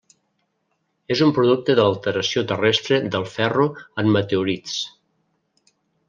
És un producte de l'alteració terrestre del ferro en meteorits.